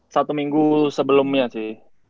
satu minggu sebelumnya sih